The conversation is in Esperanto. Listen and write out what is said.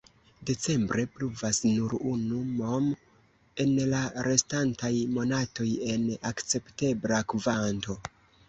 Decembre pluvas nur unu mm, en la restintaj monatoj en akceptebla kvanto.